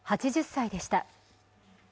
８０歳でした。